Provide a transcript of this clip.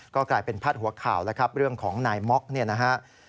ก็กลายเป็นพาดหัวข่าวแล้วครับเรื่องของนายม็อกเนี่ยนะฮะ